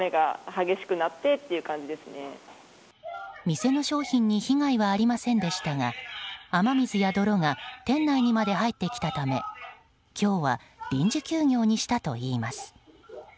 店の商品に被害はありませんでしたが雨水や泥が店内にまで入ってきたため今日は臨時休業にしたといいます。